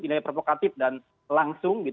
nilai provokatif dan langsung